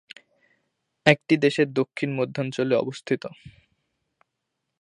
এটি দেশের দক্ষিণ-মধ্যাঞ্চলে অবস্থিত।